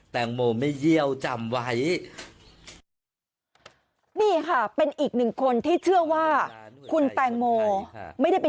แตงโมไม่เยี่ยวจำไว้นี่ค่ะเป็นอีกหนึ่งคนที่เชื่อว่าคุณแตงโมไม่ได้ไป